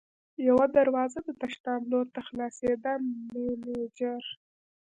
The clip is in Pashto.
یوه دروازه د تشناب لور ته خلاصېده، مېنېجر.